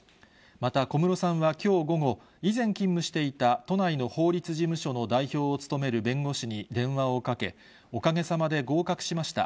また、小室さんはきょう午後、以前勤務していた都内の法律事務所の代表を務める弁護士に電話をかけ、おかげさまで合格しました。